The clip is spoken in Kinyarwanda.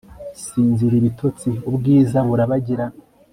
sinzira, ibitotsi, ubwiza burabagirana